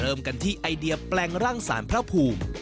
เริ่มกันที่ไอเดียแปลงร่างสารพระภูมิ